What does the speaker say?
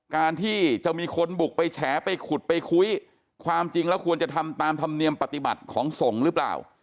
การที่จะมีคนบุกไปแฉไปขุดไปคุยความจริงแล้วควรจะทำตามธรรมเนียมปฏิบัติของสงฆ์หรือเปล่า